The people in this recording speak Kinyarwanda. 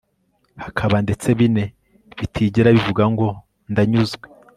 hakaba ndetse bine bitigera bivuga ngo ndanyuzwe